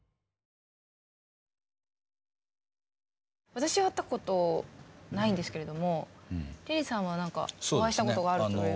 私は会った事ないんですけれどもリリーさんは何かお会いした事があるという。